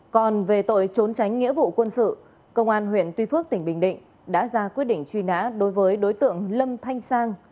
còn về tội trốn tránh nghĩa vụ quân sự công an huyện tuy phước tỉnh bình định đã ra quyết định truy nã đối với đối tượng lâm thanh sang